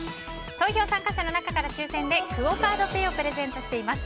投票参加者の中で抽選でクオ・カードペイをプレゼントしています。